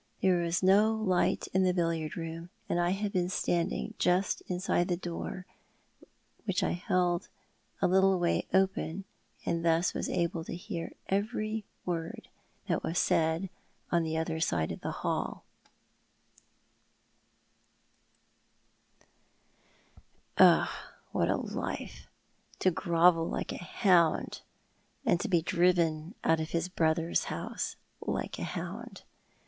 There was no light in the billiard room, and I had been standing just inside the door, which I held a little way open, and was thus able to hear every word that was said on the other side of the hall. 2 54 ThoiL ai't the Man. Ob, what a life ! To grovel like a hound, and to he driven otit of his brother's house, like a hound.